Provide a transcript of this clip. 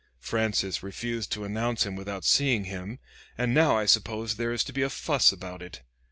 Francis refused to announce him without seeing him, and now I suppose there is to be a fuss about it.